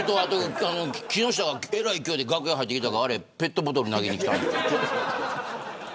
木下がえらい勢いで楽屋入ってきたからあれはペットボトル投げに来た。